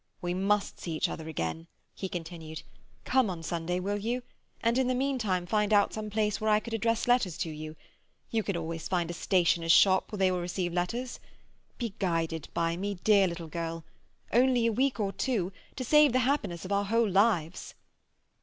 "We must see each other again," he continued. "Come on Sunday, will you? And in the meantime find out some place where I could address letters to you. You can always find a stationer's shop where they will receive letters. Be guided by me, dear little girl. Only a week or two—to save the happiness of our whole lives."